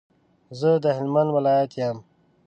زه د هلمند ولایت یم.